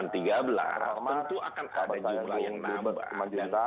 tentu akan ada jumlah yang enam juta